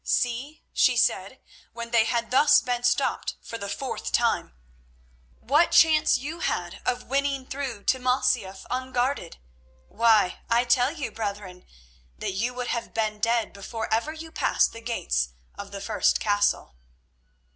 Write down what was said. "See," she said, when they had thus been stopped for the fourth time, "what chance you had of winning through to Masyaf unguarded. Why, I tell you, brethren, that you would have been dead before ever you passed the gates of the first castle."